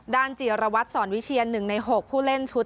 จิรวัตรสอนวิเชียน๑ใน๖ผู้เล่นชุด